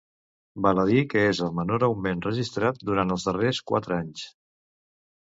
Val a dir que és el menor augment registrat durant els darrers quatre anys.